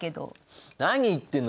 何言ってんの？